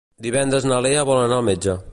Divendres na Lea vol anar al metge.